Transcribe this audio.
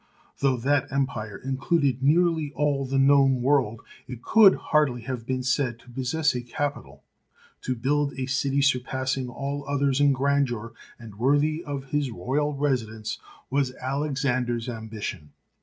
Though that empire included nearly all the known world, it could hardly have been said to possess a capital. To build a city surpassing all others in grandeur, and worthy of his royal residence, was Alexander's ambition.